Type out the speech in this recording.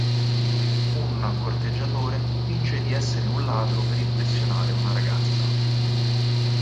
Un corteggiatore finge di essere un ladro per impressionare una ragazza.